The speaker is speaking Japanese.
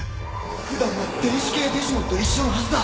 普段は天使系デジモンと一緒のはずだ。